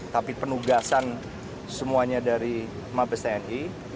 tapi penugasan semuanya dari mabes tni